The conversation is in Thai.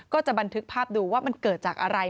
ก็จะบันทึกภาพดูว่ามันเกิดจากอะไร